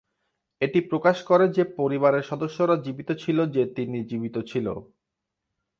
এটি প্রকাশ করে যে পরিবারের সদস্যরা জীবিত ছিল যে তিনি জীবিত ছিল।